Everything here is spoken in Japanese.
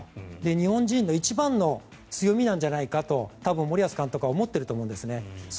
日本人の一番の強みなんじゃないかと多分森保監督は思っているんじゃないかと思うんです。